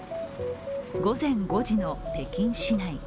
午前５時の北京市内。